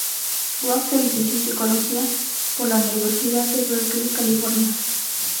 Wax se licenció en Psicología por la Universidad de Berkeley, California.